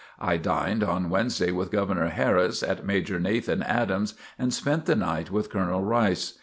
I dined on Wednesday with Governor Harris, at Major Nathan Adams' and spent the night with Colonel Rice.